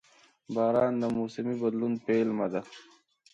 • باران د موسمي بدلون پیلامه ده.